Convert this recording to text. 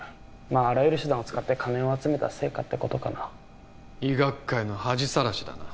あらゆる手段を使って金を集めた成果ってことかな医学界の恥さらしだな